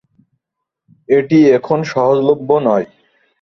এটি এখন সহজলভ্য নয়।